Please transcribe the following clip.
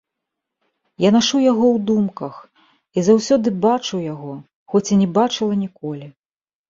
Я нашу яго ў думках, і заўсёды бачу яго, хоць і не бачыла ніколі.